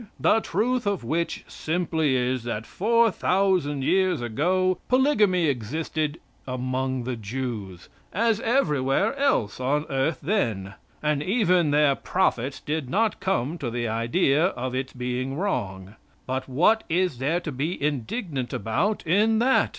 "The truth of which simply is, that four thousand years ago polygamy existed among the Jews, as everywhere else on earth then, and even their prophets did not come to the idea of its being wrong. But what is there to be indignant about in that?